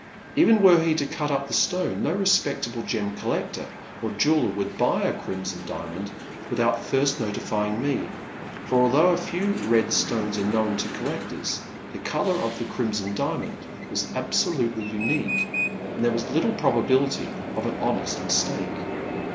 Even were he to cut up the stone, no respectable gem collector or jeweller would buy a crimson diamond without first notifying me ; for although a few red stones are known to collec tors, the colour of the Crimson Diamond was abso lutely unique, and there was little probability of an honest mistake.